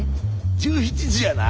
１７時やな？